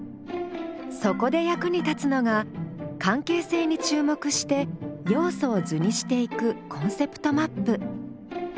そこで役に立つのが関係性に注目して要素を図にしていくコンセプトマップ。